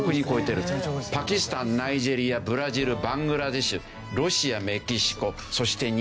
パキスタンナイジェリアブラジルバングラデシュロシアメキシコそして日本。